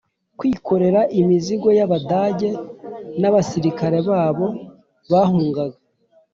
kwikorera imizigo y'Abadage N’Abasirikare babo bahungaga